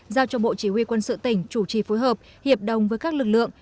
giao cho bộ chỉ huy quân sự tỉnh chủ trì phối hợp hiệp đồng với các lực lượng